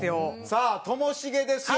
さあともしげですよ。